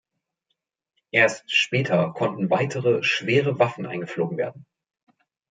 Erst später konnten weitere schwere Waffen eingeflogen werden.